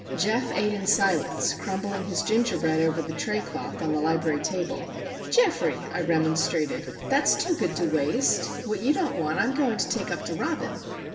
Geof ate in silence, crumbling his ginger bread over the tray cloth on the library table. "Geoffrey!" I remonstrated. "That's too good to waste. What you don't want I am going to take up to Robin."